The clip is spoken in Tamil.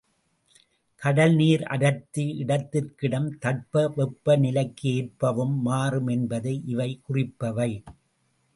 கடல்நீர் அடர்த்தி, இடத்திற்கிடமும் தட்ப வெப்ப நிலைக்கு ஏற்பவும் மாறும் என்பதை இவை குறிப்பவை.